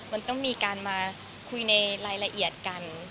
มันต้องมีการมาคุยในรายละเอียดกัน